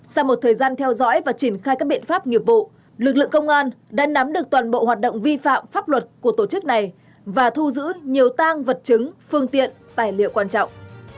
sau một thời gian theo dõi và triển khai các biện pháp nghiệp vụ lực lượng công an đã nắm được toàn bộ hoạt động vi phạm pháp luật của tổ chức này và thu giữ nhiều tang vật chứng phương tiện tài liệu quan trọng